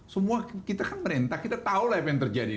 semua kita kan merintah kita tahu lah apa yang terjadi